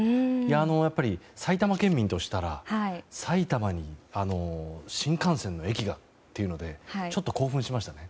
やっぱり埼玉県民としたら埼玉に新幹線の駅があるっていうのでちょっと興奮しました。